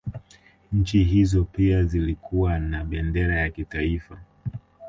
Nchi hizo pia zilikuwa na bendera za kitaifa